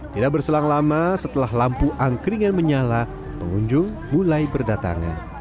tidak berselang lama setelah lampu angkringan menyala pengunjung mulai berdatangan